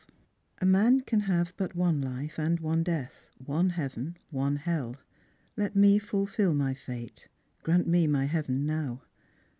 A man can have hut one life and one death, One heaven, one hell. Let me fulfil my fate. Grant me my heaven now